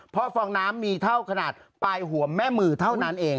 เพราะฟองน้ำมีเท่าขนาดปลายหัวแม่มือเท่านั้นเอง